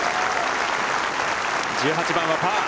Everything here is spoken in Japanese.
１８番はパー。